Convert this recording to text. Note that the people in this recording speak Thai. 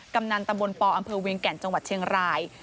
กำนันตำบลปอำเภอเวียงแก่นจังหวัดเชียงราย